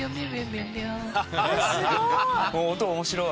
音面白い！